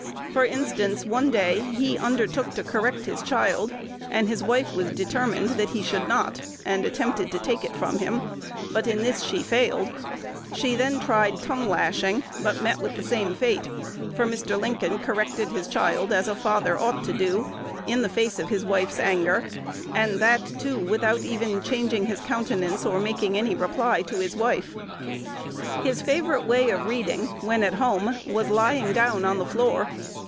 For instance: one day he undertook to correct his child, and his wife was determined that he should not, and attempted to take it from him; but in this she failed. She then tried tongue lashing, but met with the same fate; for Mr. Lincoln corrected his child as a father ought to do, in the face of his wife's anger, and that, too, without even changing his countenance or making any reply to his wife. "His favorite way of reading, when at home, was lying down on the floor.